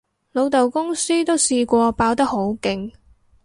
老豆公司都試過爆得好勁